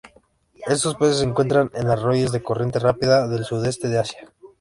Estos peces se encuentran en arroyos de corriente rápida del Sudeste de Asia.